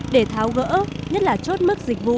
để tháo gỡ nhất là chốt mức dịch vụ